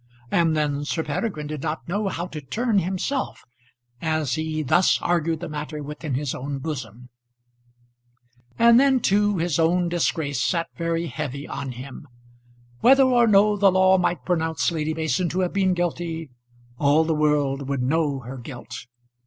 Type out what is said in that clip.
And then Sir Peregrine did not know how to turn himself, as he thus argued the matter within his own bosom. And then too his own disgrace sat very heavy on him. Whether or no the law might pronounce Lady Mason to have been guilty, all the world would know her guilt.